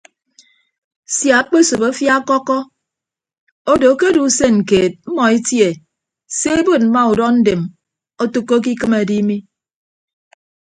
Sia akpesop afia ọkọkkọ odo ke odo usen keed mmọ etie se ebod mma udọ ndem otәkkoke ikịm edi mi.